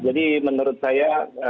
jadi menurut saya